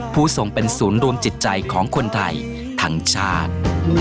ผู้ทรงเป็นศูนย์รวมจิตใจของคนไทยทั้งชาติ